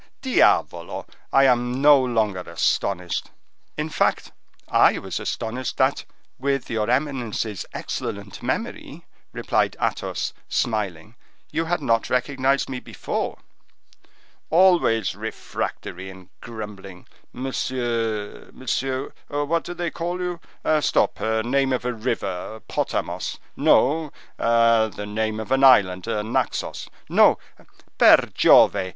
diavolo! I am no longer astonished." "In fact, I was astonished that, with your eminence's excellent memory," replied Athos, smiling, "you had not recognized me before." "Always refractory and grumbling—monsieur—monsieur—What do they call you? Stop—a name of a river—Potamos; no—the name of an island—Naxos; no, per Giove!